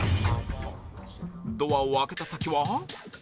ドアを開けた先は